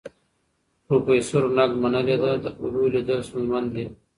پروفیسور نګ منلې ده، د اولو لیدل ستونزمن دي.